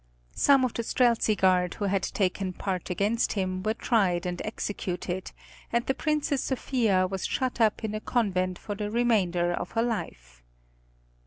Some of the Streltsi Guard who had taken part against him were tried and executed, and the Princess Sophia was shut up in a convent for the remainder of her life.